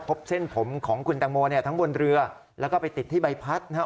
พบเส้นผมของคุณแตงโมเนี่ยทั้งบนเรือแล้วก็ไปติดที่ใบพัดนะครับ